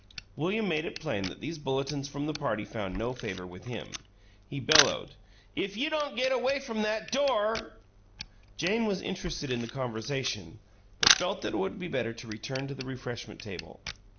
William made it plain that these bulletins from the party found no favor with him. He bellowed, "If you don't get away from that DOOR " Jane was interested in the conversation, but felt that it would be better to return to the refreshment table.